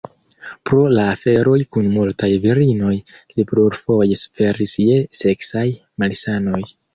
Pro la aferoj kun multaj virinoj, li plurfoje suferis je seksaj malsanoj.